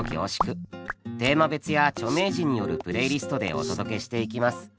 テーマ別や著名人によるプレイリストでお届けしていきます。